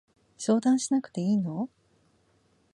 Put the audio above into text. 相談しなくていいの？